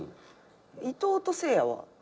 伊藤とせいやは？